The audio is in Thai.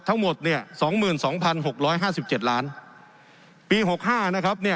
ทั้งหมดเนี่ยสองหมื่นสองพันหกร้อยห้าสิบเจ็ดล้านปีหกห้านะครับเนี่ย